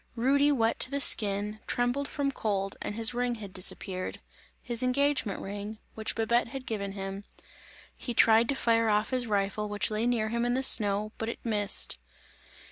Rudy wet to the skin, trembled from cold and his ring had disappeared, his engagement ring, which Babette had given him. He tried to fire off his rifle which lay near him in the snow but it missed.